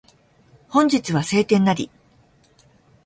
本日は晴天なり